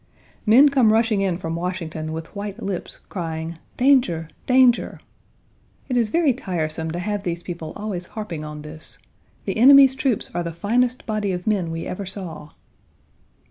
Men come rushing in from Washington with white lips, crying, "Danger, danger!" It is very tiresome to have Page 50 these people always harping on this: "The enemy's troops are the finest body of men we ever saw."